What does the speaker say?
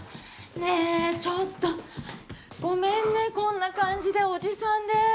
ねぇちょっとごめんねこんな感じでおじさんで。